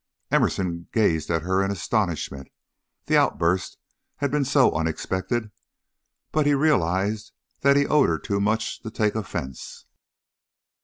Emerson gazed at her in astonishment, the outburst had been so unexpected, but he realized that he owed her too much to take offence.